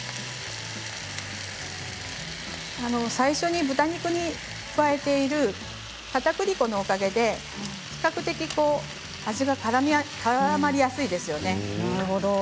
最初に豚肉に加えているかたくり粉のおかげで比較的、味がからまりやすいですよね。